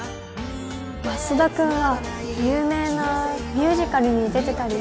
増田君は有名なミュージカルに出てたり